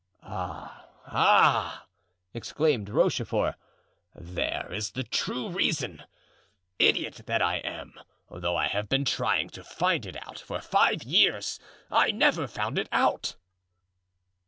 "Ah! ah!" exclaimed Rochefort. "There is the true reason! Idiot that I am, though I have been trying to find it out for five years, I never found it out."